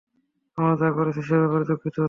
আমরা যা করছি সে ব্যাপারে দুঃখিত নই।